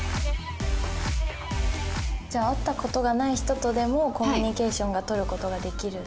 じゃあ会ったことがない人とでもコミュニケーションがとることができるってことですね？